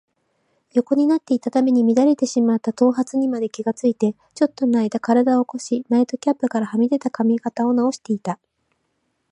横になっていたために乱れてしまった頭髪にまで気がついて、ちょっとのあいだ身体を起こし、ナイトキャップからはみ出た髪形をなおしていた。